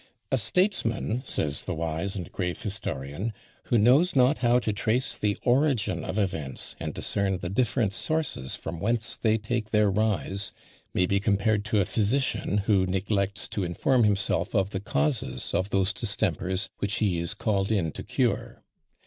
"A statesman," says the wise and grave historian, "who knows not how to trace the origin of events, and discern the different sources from whence they take their rise, may be compared to a physician who neglects to inform himself of the causes of those distempers which he is called in to cure.